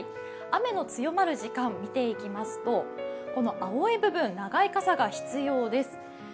雨の強まる時間を見ていきますと、この青い部分、長い傘が必要です。